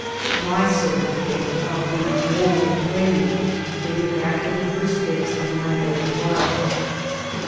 My sobriquet of " the old lady " dated back to the first days of my married life.